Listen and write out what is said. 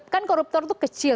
kan koruptor itu kecil